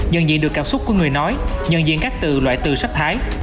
nhận diện được cảm xúc của người nói nhận diện các từ loại từ sách thái